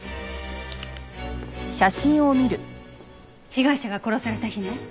被害者が殺された日ね。